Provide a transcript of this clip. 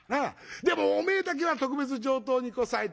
でもおめえだけは特別上等にこさえた。